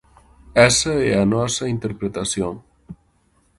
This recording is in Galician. Esa é a nosa interpretación.